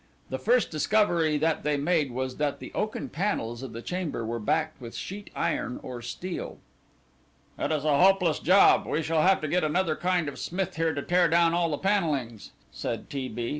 The first discovery that they made was that the oaken panels of the chamber were backed with sheet iron or steel. "It is a hopeless job; we shall have to get another kind of smith here to tear down all the panellings," said T. B.